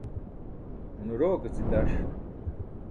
Une rok aci taṣ.